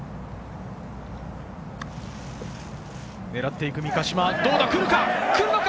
狙っていく三ヶ島、どうだ、来るのか！